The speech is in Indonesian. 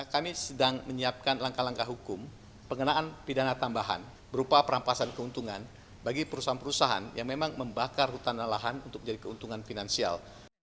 kami sedang menyiapkan langkah langkah hukum pengenaan pidana tambahan berupa perampasan keuntungan bagi perusahaan perusahaan yang memang membakar hutan dan lahan untuk menjadi keuntungan finansial